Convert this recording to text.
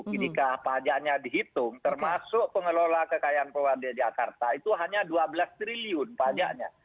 ketika pajaknya dihitung termasuk pengelola kekayaan pemerintah jakarta itu hanya dua belas triliun pajaknya